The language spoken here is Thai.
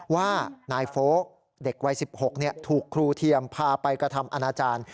ว่านายโฟลกเด็กวัย๑๖ถูกครูเทียมพาไปกระทำอนาจารย์